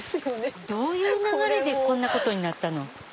どういう流れでこんなことになったの？